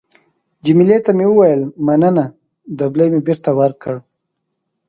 جميله ته مې وویل: مننه. دبلی مې بېرته ورکړ.